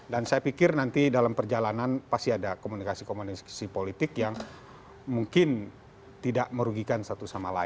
dan saya pikir nanti dalam perjalanan pasti ada komunikasi komunikasi politik yang mungkin tidak merugikan satu sama lain